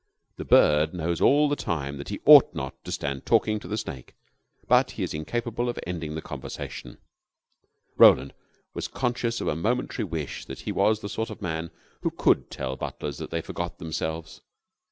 The bird knows all the time that he ought not to stand talking to the snake, but he is incapable of ending the conversation. Roland was conscious of a momentary wish that he was the sort of man who could tell butlers that they forgot themselves.